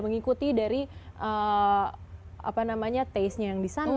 mengikuti dari apa namanya taste nya yang di sana